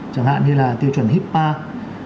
chẳng hạn như là tư chuẩn hipaa